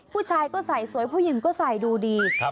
ผู้ชายก็ใส่สวยผู้หญิงก็ใส่ดูดี